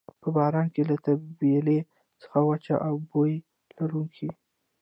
په باران کې له طبیلې څخه وچ او بوی لرونکی.